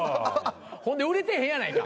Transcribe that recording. ほんで売れてへんやないか。